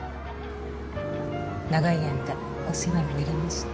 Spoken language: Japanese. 長い間お世話になりました。